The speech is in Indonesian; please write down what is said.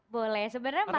boleh sebenarnya makna